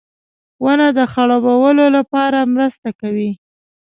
• ونه د خړوبولو لپاره مرسته کوي.